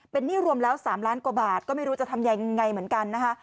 เป็นหนี้รวมแล้ว๓ล้านกว่าบาทก็ไม่รู้จะทำยังไงเหมือนกันนะคะ